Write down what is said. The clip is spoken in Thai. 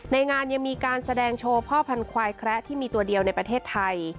ในงานยังมีการแสดงโชว์พ่อพันธวายแคระที่มีตัวเดียวในประเทศไทย